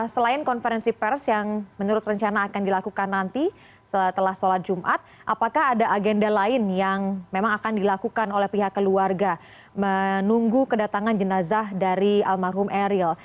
selain konferensi pers yang menurut rencana akan dilakukan nanti setelah sholat jumat apakah ada agenda lain yang memang akan dilakukan oleh pihak keluarga menunggu kedatangan jenazah dari almarhum eril